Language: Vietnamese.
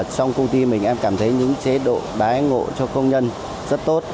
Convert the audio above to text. trong công ty mình em cảm thấy những chế độ đái ngộ cho công nhân rất tốt